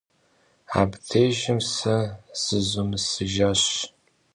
Абдежым сэ зызумысыжащ.